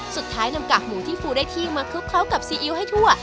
สุดท้ายนำกากหมูที่ฟูได้ที่มาคลุกเคล้ากับซีอิ๊วให้ทั่ว